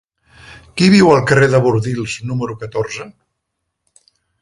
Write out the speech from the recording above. Qui viu al carrer de Bordils número catorze?